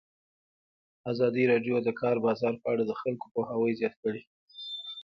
ازادي راډیو د د کار بازار په اړه د خلکو پوهاوی زیات کړی.